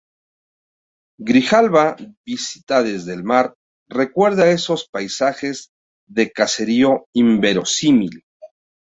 Grijalba, vista desde el mar, recuerda esos paisajes de caserío inverosímil